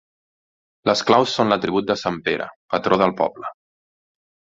Les claus són l'atribut de sant Pere, patró del poble.